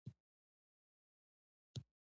افغانستان د خپلو ښارونو له مخې پېژندل کېږي.